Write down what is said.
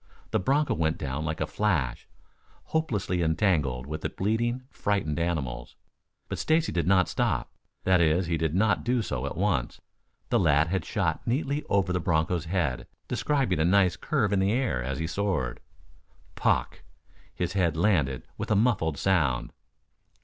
The broncho went down like a flash, hopelessly entangled with the bleating, frightened animals. But Stacy did not stop. That is, he did not do so at once. The lad had shot neatly over the broncho's head, describing a nice curve in the air as he soared. Pock! His head landed with a muffled sound.